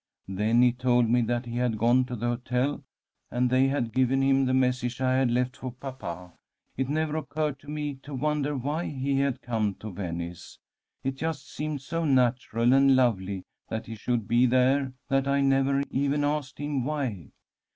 Then he told me that he had gone to the hotel, and they had given him the message I had left for papa. It never occurred to me to wonder why he had come to Venice. It just seemed so natural and lovely that he should be there that I never even asked him why.